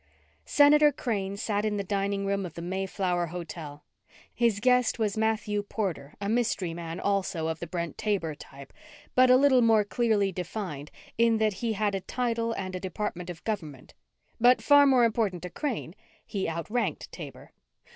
Senator Crane sat in the dining room of the Mayflower Hotel. His guest was Matthew Porter, a mystery man, also, of the Brent Taber type, but a little more clearly defined in that he had a title and a department of government. But far more important to Crane, he outranked Taber.